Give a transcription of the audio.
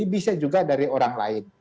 bisa juga dari orang lain